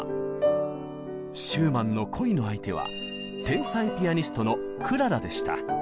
シューマンの恋の相手は天才ピアニストのクララでした。